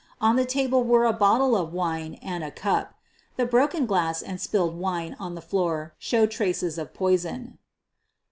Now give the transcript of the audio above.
On the table were a bottle of wine and a cup. A broken glass and spilled wine on the floor showed traces of poison.